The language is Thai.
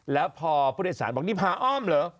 แล้วพอผู้โดยสารบอกนี่พาอ้อมเหรอ